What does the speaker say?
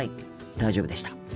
大丈夫でした。